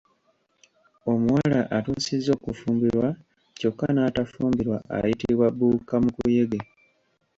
Omuwala atuusizza okufumbirwa kyokka n’atafumbirwa ayitibwa bbuukamukuyege.